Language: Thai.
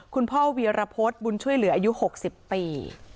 คุณพ่อวีรพฤษบุญช่วยเหลืออายุ๖๐ปี